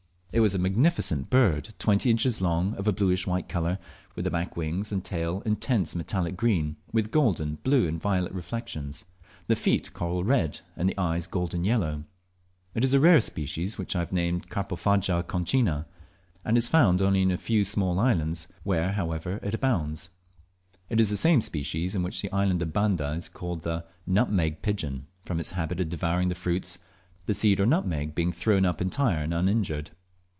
It was a magnificent bird twenty inches long, of a bluish white colour, with the back wings and tail intense metallic green, with golden, blue, and violet reflexions, the feet coral red, and the eyes golden yellow. It is a rare species, which I have named Carpophaga concinna, and is found only in a few small islands, where, however, it abounds. It is the same species which in the island of Banda is called the nutmeg pigeon, from its habit of devouring the fruits, the seed or nutmeg being thrown up entire and uninjured.